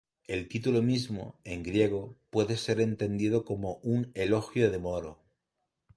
El título mismo, en griego, puede ser entendido como un "Elogio de Moro".